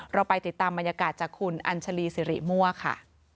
เราไปติดตามบรรยากาศจากคุณอัญชาลีสิริมั่วค่ะ